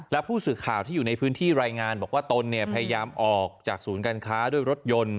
และผู้สื่อข่าวที่อยู่ในพื้นที่รายงานบอกว่าตนพยายามออกจากศูนย์การค้าด้วยรถยนต์